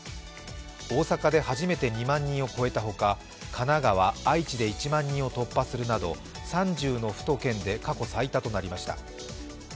大阪で初めて２万人を超えたほか、神奈川、愛知で１万人を突破するなど３０の府と県で過去最多となりました。